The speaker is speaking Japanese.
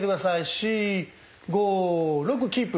４５６キープ。